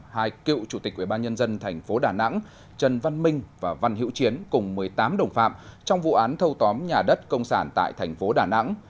hai cựu chủ tịch ubnd tp đà nẵng trần văn minh và văn hiễu chiến cùng một mươi tám đồng phạm trong vụ án thâu tóm nhà đất công sản tại thành phố đà nẵng